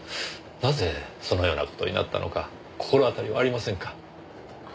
なぜそのような事になったのか心当たりはありませんか？